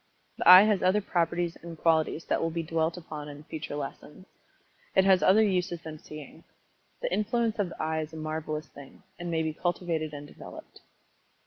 The eye has other properties and qualities that will be dwelt upon in future lessons. It has other uses than seeing. The influence of the eye is a marvelous thing, and may be cultivated and developed.